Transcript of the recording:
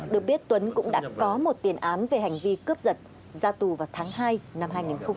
được biết tuấn cũng đã có một tiền án về hành vi cướp giật ra tù vào tháng hai năm hai nghìn hai mươi